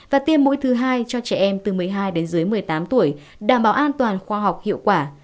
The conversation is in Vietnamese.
và tiêm mũi thứ hai cho trẻ em từ một mươi hai đến dưới một mươi tám tuổi đảm bảo an toàn khoa học hiệu quả